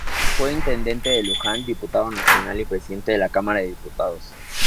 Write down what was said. Fue intendente de Luján, Diputado nacional y presidente de la Cámara de Diputados.